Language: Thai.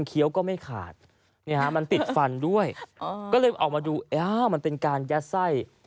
ก่อนก็จะแค่๕บาทเนอะ